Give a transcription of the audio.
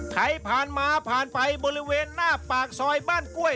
ใครผ่านมาผ่านไปบริเวณหน้าปากซอยบ้านกล้วย